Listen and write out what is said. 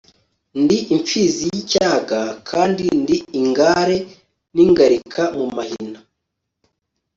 ndi imfizi yicyaga kandi ndi ingare ningalika mu mahina